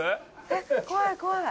えっ怖い怖い。